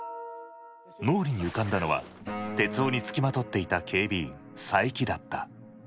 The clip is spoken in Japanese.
脳裏に浮かんだのは徹生につきまとっていた警備員佐伯だった。